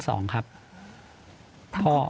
ทั้งครอบครัว๓๐ล้านค่ะ